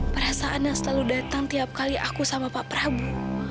perasaan yang selalu datang tiap kali aku sama pak prabu